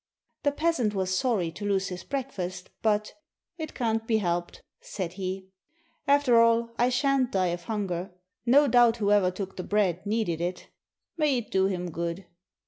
The peasant was sorry to lose his breakfast, but, "It can't be helped," said he. "After all, I shan't die of hunger! No doubt whoever took the bread needed it. May it do him good!"